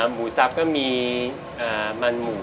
หมูซับก็มีมันหมู